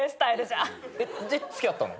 で付き合ったの？